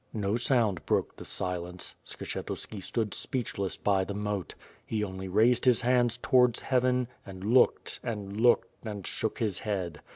No sound broke the silence. Skshetuski stood speechless by the moat. He only raised his hands towards Heaven, and looked and looked, and shook his head.